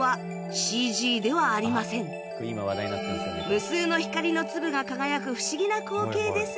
無数の光の粒が輝く不思議な光景ですが